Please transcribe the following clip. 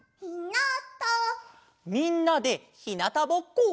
みんなでひなたぼっこ？